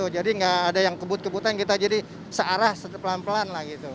jadi nggak ada yang kebut kebutan kita jadi searah pelan pelan